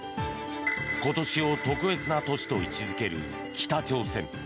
今年を特別な年と位置付ける北朝鮮。